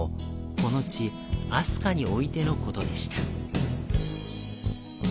この地、明日香においてのことでした。